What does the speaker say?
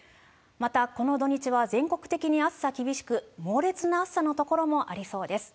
また、この土日は全国的に暑さ厳しく、猛烈な暑さの所もありそうです。